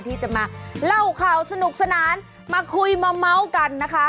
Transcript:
ที่จะมาเล่าข่าวสนุกสนานมาคุยมาเม้ากันนะคะ